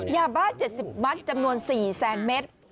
ยาบ้า๗๐มัตต์จำนวน๔แสนเมตร